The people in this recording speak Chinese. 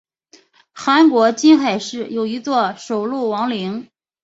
韩国金海市有一座首露王陵。